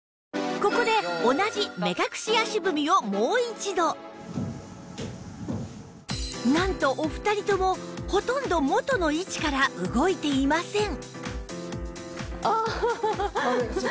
ここで同じなんとお二人ともほとんど元の位置から動いていません